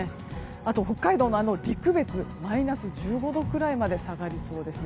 北海道の陸別マイナス１５度くらいまで下がりそうです。